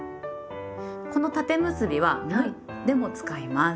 この「縦結び」は「む」でも使います。